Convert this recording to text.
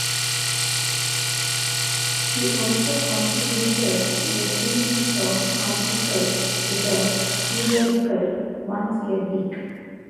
He also contributed a series of articles to the periodical "Once a Week".